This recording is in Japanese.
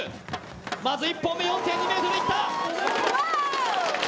まず１本目、４．２ｍいった。